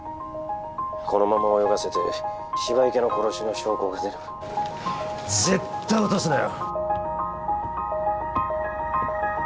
☎このまま泳がせて芝池の殺しの証拠が出れば絶対落とすなよ！